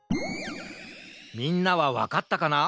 みんなはわかったかな？